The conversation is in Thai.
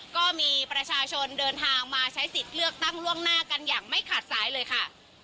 ก็มีประชาชนเดินทางมาใช้สิทธิ์เลือกตั้งล่วงหน้ากันอย่างไม่ขาดสายเลยค่ะ